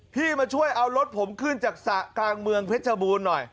มาช่วยเอารถผมขึ้นจากสระกลางเมืองเพชรบูรณ์หน่อย